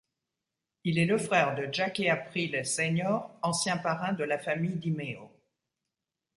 Il est le frère de Jackie Aprile, Sr., ancien parrain de la Famille DiMeo.